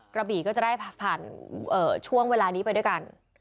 กระบี่ก็จะได้ผ่านช่วงเวลานี้ไปด้วยกัน